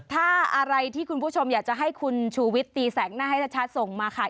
ถ้าอะไรที่คุณผู้ชมอยากจะให้คุณชูวิตตีแสกหน้าให้ชัดส่งมาค่ะ